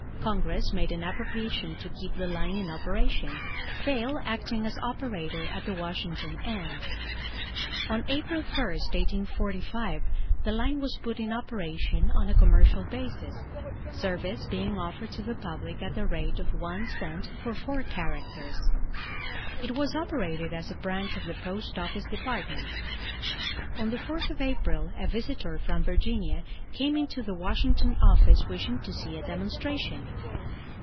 Congress made an appropriation to keep the line in operation, Vail acting as operator at the Washington end. On April 1, 1845, the line was put in operation on a commercial basis, service being offered to the public at the rate of one cent for four characters. It was operated as a branch of the Post office Department. On the 4th of April a visitor from Virginia came into the Washington office wishing to see a demonstration.